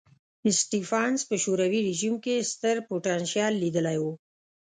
سټېفنس په شوروي رژیم کې ستر پوتنشیل لیدلی و.